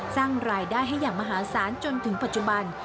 สร้างรายได้ให้อย่างมหาศาลจนถึงปัจจุบัน